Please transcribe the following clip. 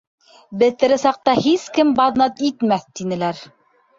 — Беҙ тере саҡта, һис кем баҙнат итмәҫ... — тинеләр.